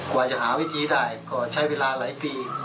กว่าจะหาวิธีได้ก็ใช้เวลาหลายปี